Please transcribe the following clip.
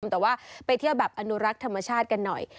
แต่ว่าไปเที่ยวแบบอนุรักษ์ธรรมชาติกันหน่อย